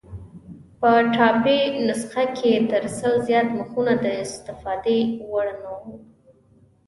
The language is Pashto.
په ټایپي نسخه کې تر سل زیات مخونه د استفادې وړ نه وو.